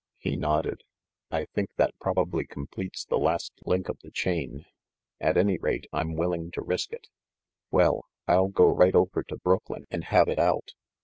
He nodded. "I think that probably completes the last link of the chain. At any rate, I'm willing to risk it. Well, I'll go right over to Brooklyn and have it out.